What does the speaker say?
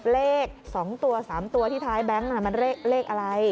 เลข๒ตัว๓ตัวที่ท้ายห์แบงกคลับมาเลขอะไร